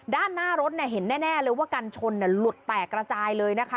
ด้านหน้ารถเห็นแน่เลยว่ากันชนหลุดแตกระจายเลยนะคะ